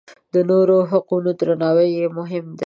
د نورو حقونه درناوی یې مهم دی.